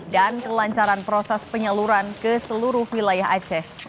dan kelancaran proses penyaluran ke seluruh wilayah aceh